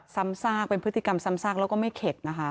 ซ้ำซากเป็นพฤติกรรมซ้ำซากแล้วก็ไม่เข็ดนะคะ